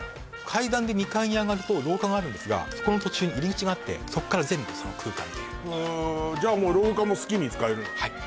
階段で２階に上がると廊下があるんですがそこの途中に入り口があってそこから全部その空間っていうへえじゃあもう廊下も好きに使えるのね